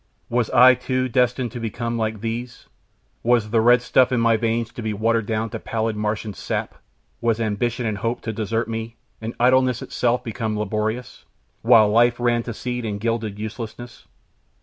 Was I, too, destined to become like these? Was the red stuff in my veins to be watered down to pallid Martian sap? Was ambition and hope to desert me, and idleness itself become laborious, while life ran to seed in gilded uselessness?